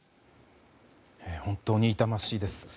本当に痛ましいです。